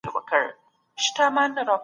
سوداګر به خپله پانګه په خوندي توګه ولګوي.